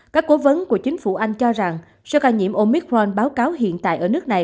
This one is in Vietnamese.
các cố vấn của chính phủ anh cho rằng số ca nhiễm omicron báo cáo hiện tại ở nước này